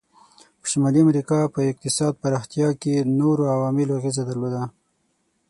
په شمالي امریکا په اقتصاد پراختیا کې نورو عواملو اغیزه درلوده.